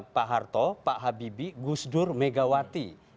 pak harto pak habibie gus dur megawati